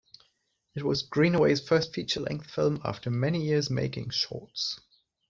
It was Greenaway's first feature-length film after many years making shorts.